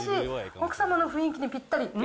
奥様の雰囲気にぴったり。